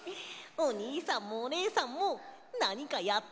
おにいさんもおねえさんもなにかやってくれない？